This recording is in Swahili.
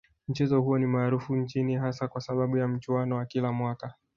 Mchezo huo ni maarufu nchini hasa kwa sababu ya mchuano wa kila mwaka